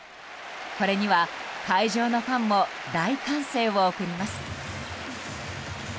これには会場のファンも大歓声を送ります。